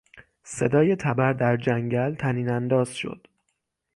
صدای تبر در جنگل طنین انداز شد.